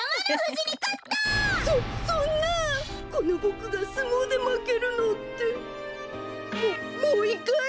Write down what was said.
そそんなこのボクがすもうでまけるなんて。ももういっかい！